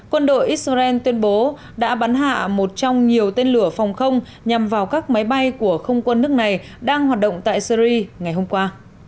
quân đội israel tuyên bố đã bắn hạ một trong nhiều tên lửa phòng không nhằm vào các máy bay của không quân nước này đang hoạt động tại syri ngày hôm qua